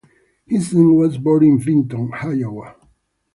Heezen was born in Vinton, Iowa.